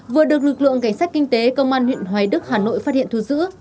vừa được lực lượng cảnh sát kinh tế công an huyện hoài đức hà nội phát hiện thu giữ